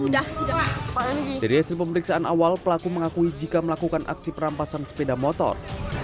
dari hasil pemeriksaan awal pelaku mengakui jika melakukan aksi perampasan sepeda motor